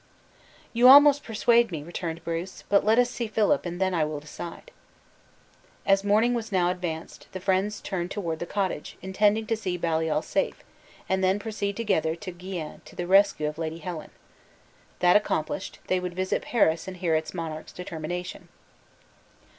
"You almost persuade me," returned Bruce; "but let us see Philip, and then I will decide." As morning was now advanced, the friends turned toward the cottage, intending to see Baliol safe, and then proceed together to Guienne to the rescue of Lady Helen. That accomplished, they would visit Paris and hear its monarch's determination.